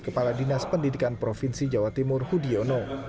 kepala dinas pendidikan provinsi jawa timur hudiono